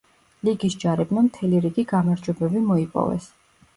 ლიგის ჯარებმა მთელი რიგი გამარჯვებები მოიპოვეს.